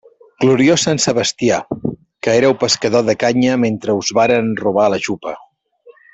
Gloriós sant Sebastià, que éreu pescador de canya mentre us varen robar la jupa.